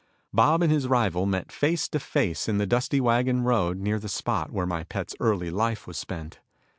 Bob and his rival met face to face in the dusty wagon road near the spot where my pet's early life was spent.